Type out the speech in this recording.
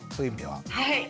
はい。